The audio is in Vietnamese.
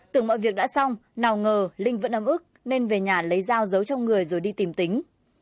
tưởng mọi việc đã xong nào ngờ linh vẫn ấm ức nên về nhà lấy dao giấu trong người rồi đi tìm tính